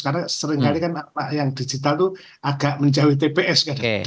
karena seringkali kan yang digital itu agak menjauh tps